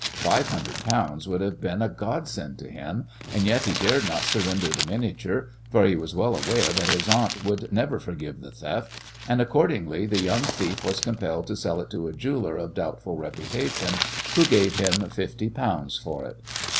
Five hundred pounds would have been a godsend to him, and yet he dared not surrender the miniature, for he was well aware that his aunt would never forgive the theft, and, accordingly the young thief was compelled to sell it to a jeweller of doubtful reputation, who gave him fifty pounds for it.